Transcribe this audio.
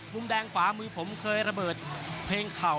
มุมแดงขวามือผมเคยระเบิดเพลงเข่า